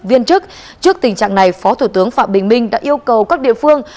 viên chức trước tình trạng này phó thủ tướng phạm bình minh đã yêu cầu các địa phương